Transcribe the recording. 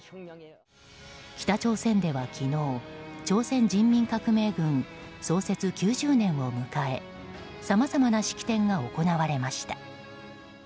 北朝鮮では昨日、朝鮮人民革命軍創設９０年を迎えさまざまな式典が行われました。